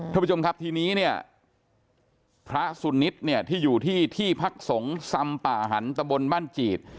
ทุกผู้ชมครับทีนี้พระสุนิทที่อยู่ที่ที่พักสงฆ์สัมปะหันตะบนบ้านจีด